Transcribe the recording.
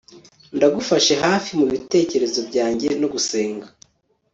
ndagufashe hafi mubitekerezo byanjye no gusenga